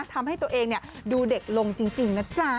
ทำให้ตัวเองดูเด็กลงจริงนะจ๊ะ